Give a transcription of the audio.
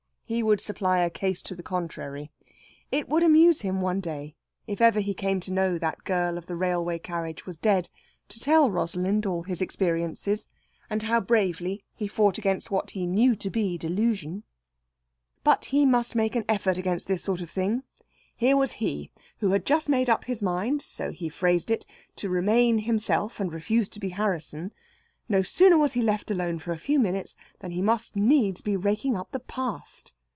He would supply a case to the contrary. It would amuse him one day, if ever he came to know that girl of the railway carriage was dead, to tell Rosalind all his experiences, and how bravely he fought against what he knew to be delusion. But he must make an effort against this sort of thing. Here was he, who had just made up his mind so he phrased it to remain himself, and refuse to be Harrisson, no sooner was he left alone for a few minutes than he must needs be raking up the past.